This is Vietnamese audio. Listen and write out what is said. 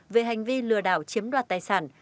về hành vi lừa đảo chiếm đoạt tài sản